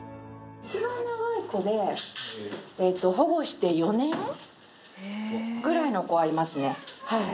一番長い子で保護して４年ぐらいの子はいますね。